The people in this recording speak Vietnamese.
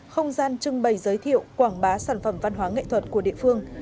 không gian trưng bày giới thiệu quảng bá sản phẩm văn hóa nghệ thuật của địa phương